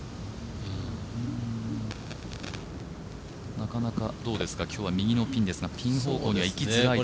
なかなか今日は右のピンですがピン方向にはいきづらいですか？